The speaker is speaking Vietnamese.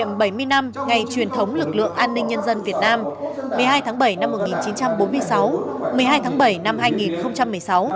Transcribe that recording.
kỷ niệm bảy mươi năm ngày truyền thống lực lượng an ninh nhân dân việt nam một mươi hai tháng bảy năm một nghìn chín trăm bốn mươi sáu một mươi hai tháng bảy năm hai nghìn một mươi sáu